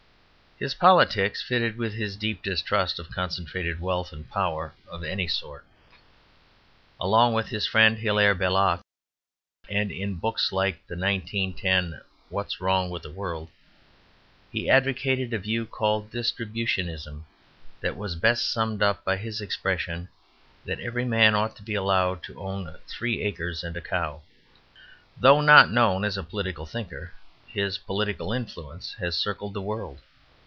His politics fitted with his deep distrust of concentrated wealth and power of any sort. Along with his friend Hilaire Belloc and in books like the 1910 "What's Wrong with the World" he advocated a view called "Distributionism" that was best summed up by his expression that every man ought to be allowed to own "three acres and a cow." Though not known as a political thinker, his political influence has circled the world.